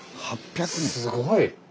すごい！